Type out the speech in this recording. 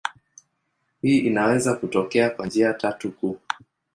Hii inaweza kutokea kwa njia tatu kuu.